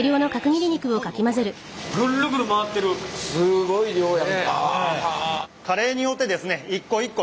すごい量や。